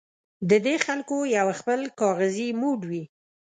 د دې خلکو یو خپل کاغذي موډ وي.